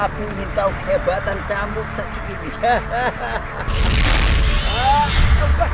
tapi minta kehebatan campur segini hahaha